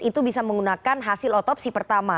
itu bisa menggunakan hasil otopsi pertama